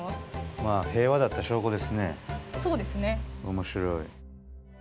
面白い。